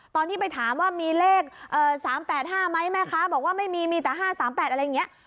ตอนที่ไปถามว่ามีเลขเอ่อสามแปดห้าไหมแม่คะบอกว่าไม่มีมีแต่ห้าสามแปดอะไรเงี้ย